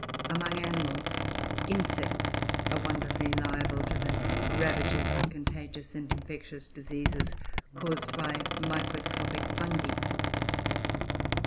Among animals, insects are wonderfully liable to the ravages of contagious and infectious diseases caused by microscopic Fungi.